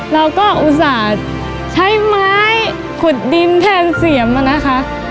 เราก็อุตส่าห์ใช้ไม้ขุดดินแทนเสียมอะนะคะ